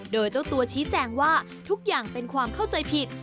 โดยเจ้าตัวชี้แจงว่าทุกอย่างเป็นความเข้าใจผิด